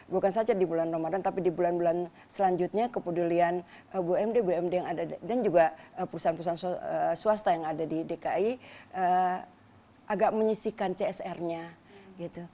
bukan saja di bulan ramadan tapi di bulan bulan selanjutnya kepedulian bumd bumd yang ada dan juga perusahaan perusahaan swasta yang ada di dki agak menyisikan csr nya gitu